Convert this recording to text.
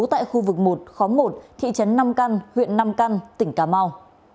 tại khu vực một khóm một thị trấn năm căn huyện năm căn tỉnh cà mau